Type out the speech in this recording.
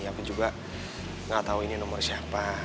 aku juga gak tau ini nomor siapa